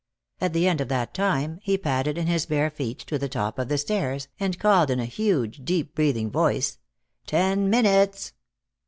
At the end of that time he padded in his bare feet to the top of the stairs and called in a huge, deep breathing voice: "Ten minutes."